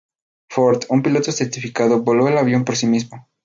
Ford, un piloto certificado, voló el avión por sí mismo.